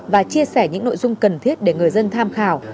và chia sẻ những nội dung cần thiết để người dân tham khảo